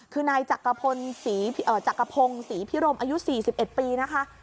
คือนายจักกพงศ์ภิโรมอายุ๔๑ปีครับ